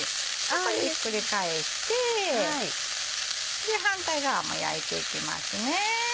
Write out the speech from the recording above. これひっくり返して反対側も焼いていきますね。